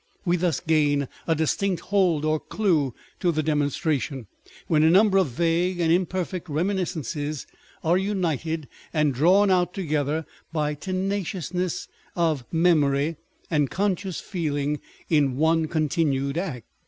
We thus gain a distinct hold or clue to the demonstration, when a number of vague and imperfect reminiscences are united and drawn out together, by tenaciousness of memory and conscious feeling, in one continued act.